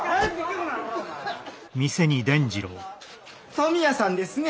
冨屋さんですね。